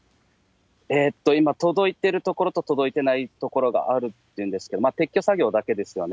今、届いてるところと届いてないところがあるっていうんですけど、撤去作業だけですよね。